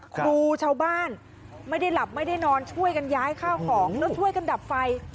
ครูชาวบ้านไม่ได้หลับไม่ได้นอนช่วยกันย้ายข้าวของแล้วช่วยกันดับไฟ